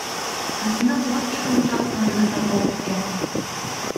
Анткени кулап түшкөн учак тандырын талкалап кеткен.